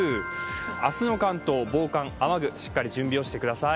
明日の関東、防寒・雨具、しっかり準備をしてください。